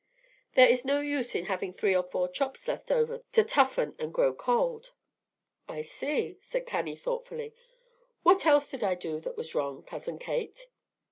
There is no use in having three or four chops left over to toughen and grow cold." "I see," said Cannie, thoughtfully; "what else did I do that was wrong, Cousin Kate?"